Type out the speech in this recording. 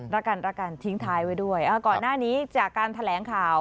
รักกันรักกันทิ้งท้ายไว้ด้วยก่อนหน้านี้จากการแถลงข่าว